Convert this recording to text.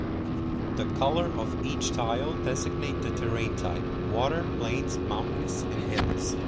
The color of each tile designate the terrain type; water, plains, mountains and hills.